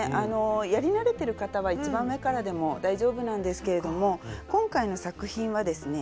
やり慣れてる方は一番上からでも大丈夫なんですけれども今回の作品はですね